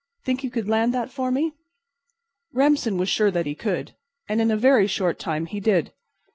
Think you could land that for me?" Remsen was sure that he could. And in a very short time he did.